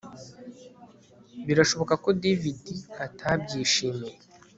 Birashoboka ko David atabyishimiye